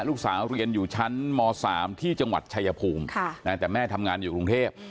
ลูกสาวเรียนอยู่ชั้นม๓ที่จังหวัดชายภูมิแต่แม่ทำงานอยู่กรุงเทพ